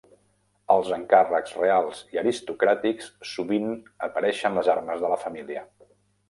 Als encàrrecs reals i aristocràtics sovint apareixen les armes de la família.